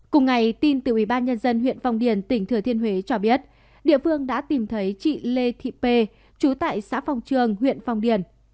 cùng ngày tin từ ubnd huyện phong điền tỉnh thừa thiên huế cho biết địa phương đã tìm thấy chị lê thị pê chú tại xã phong trường huyện phong điền